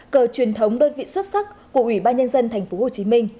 cờ truyền thống đơn vị xuất sắc của ủy ban nhân dân tp hcm